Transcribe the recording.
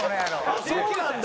あっそうなんだ。